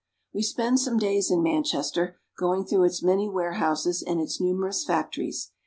We spend some days in Manchester going through its many warehouses and its numerous factories.